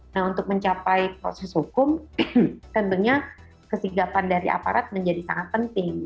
nah untuk mencapai proses hukum tentunya kesigapan dari aparat menjadi sangat penting